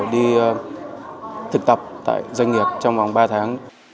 đi thực tập tại doanh nghiệp trong vòng ba tháng